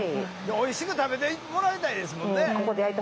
おいしく食べてもらいたいですもんね。